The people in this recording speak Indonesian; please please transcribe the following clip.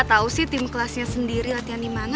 gak tau sih tim kelasnya sendiri latihan di mana